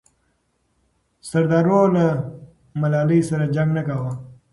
سردارو له ملالۍ سره جنګ نه کاوه.